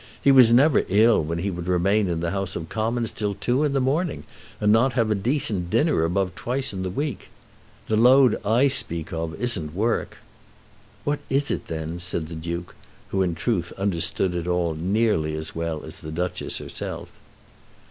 He was never ill when he would remain in the House of Commons till two in the morning, and not have a decent dinner above twice in the week. The load I speak of isn't work." "What is it then?" said the Duke, who in truth understood it all nearly as well as the Duchess herself.